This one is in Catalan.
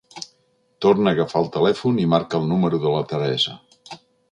Torna a agafar el telèfon i marca el número de la Teresa.